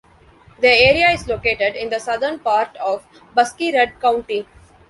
The area is located in the southern part of Buskerud county.